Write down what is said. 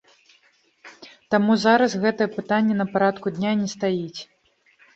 Таму зараз гэтае пытанне на парадку дня не стаіць.